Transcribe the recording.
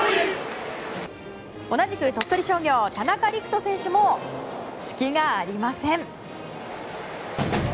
同じく鳥取商業、田中陸斗選手も隙がありません。